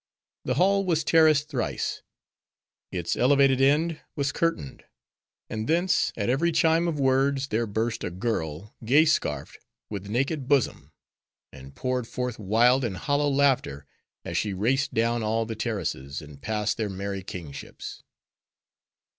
The hall was terraced thrice; its elevated end was curtained; and thence, at every chime of words, there burst a girl, gay scarfed, with naked bosom, and poured forth wild and hollow laughter, as she raced down all the terraces, and passed their merry kingships.